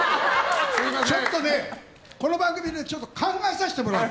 ちょっと、この番組考えさせてもらう。